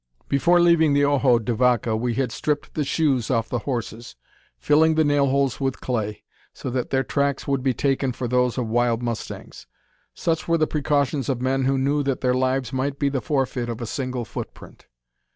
Before leaving the Ojo de Vaca we had stripped the shoes off the horses, filling the nail holes with clay, so that their tracks would be taken for those of wild mustangs. Such were the precautions of men who knew that their lives might be the forfeit of a single footprint.